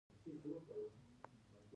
کیمیاوي سره باید کمه شي